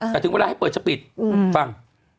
แต่ถึงเวลาให้เปิดจะปิดฟัง